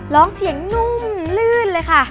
ร้องเสียงนุ่มลื่นเลยค่ะ